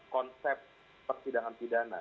konsep persidangan pidana